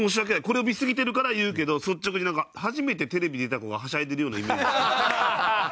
これを見すぎてるから言うけど率直になんか初めてテレビ出た子がはしゃいでるようなイメージ。